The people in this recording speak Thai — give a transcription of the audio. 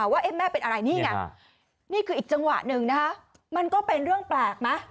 ว่าแม่เป็นอะไรนี่ไงนี่คืออีกจังหวะหนึ่งนะคะมันก็เป็นเรื่องแปลกไหม